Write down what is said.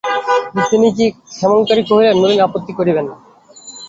কিন্তু তিনি কি– ক্ষেমংকরী কহিলেন, নলিন আপত্তি করিবে না।